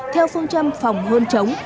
theo phong trăm phòng hơn chống